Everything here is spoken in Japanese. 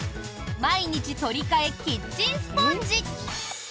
毎日とりかえキッチンスポンジ。